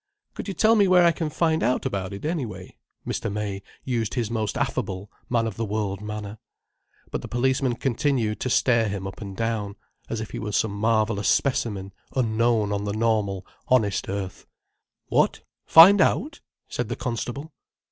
"Could you tell me where I can find out about it, anyway?" Mr. May used his most affable, man of the world manner. But the policeman continued to stare him up and down, as if he were some marvellous specimen unknown on the normal, honest earth. "What, find out?" said the constable.